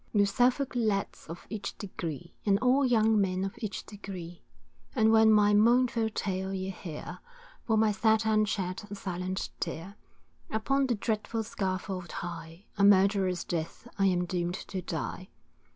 You Suffolk lads of each degree, And all young men of each degree, And when my mournful tale you hear, For my sad end shed a silent tear. Upon the dreadful scaffold high, A murderer's death I am doom'd to die.